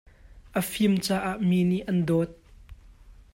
A fim caah mi nih an dawt.